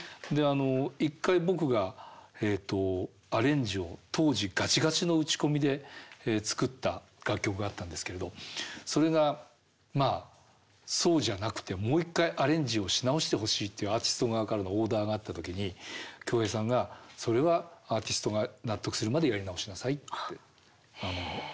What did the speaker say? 一回僕がアレンジを当時ガチガチの打ち込みで作った楽曲があったんですけれどそれがそうじゃなくてもう一回アレンジをし直してほしいっていうアーティスト側からのオーダーがあった時に京平さんが「それはアーティストが納得するまでやり直しなさい」って言われたんですね。